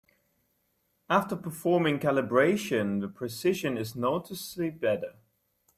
After performing calibration, the precision is noticeably better.